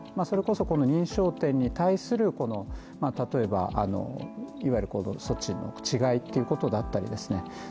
それこそこの認証店に対する例えばいわゆる行動措置の違いっていうことだったりですね。